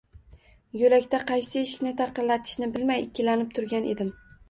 Yo’lakda qaysi eshikni taqillatishni bilmay ikkilanib turgan edim